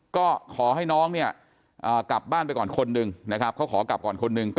ก็ขอให้น้องเนี่ยกลับบ้านไปก่อนคนหนึ่งนะครับเขาขอกลับก่อนคนหนึ่ง